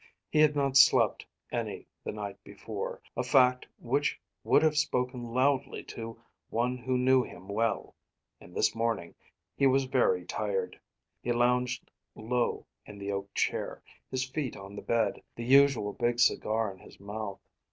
He had not slept any the night before; a fact which would have spoken loudly to one who knew him well; and this morning he was very tired. He lounged low in the oak chair, his feet on the bed, the usual big cigar in his mouth.